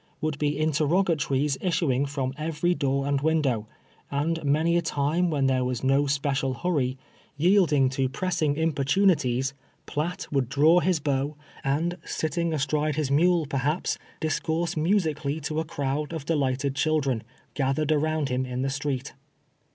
Would be interrogatories issuing from every door and window, and many a time when there was no special hurry, yielding to pressing importuni TIIE YIOLIN. 217 tics, Piatt would draw liis Low, and sitting astride his mule, perhaps, discourse musically to a crowd of delighted children, gathered around him in the street.